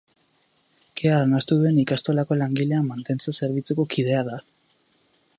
Kea arnastu duen ikastolako langilea mantentze-zerbitzuko kidea da.